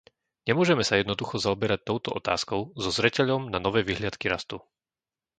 Nemôžeme sa jednoducho zaoberať touto otázkou so zreteľom na nové vyhliadky rastu.